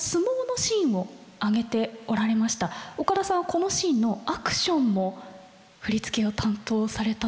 このシーンのアクションも振り付けを担当されたというふうに。